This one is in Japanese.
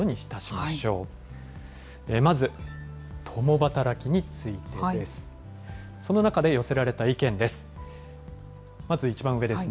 まず、共働きについてです。